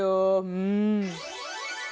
うん。